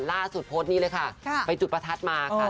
โพสต์นี้เลยค่ะไปจุดประทัดมาค่ะ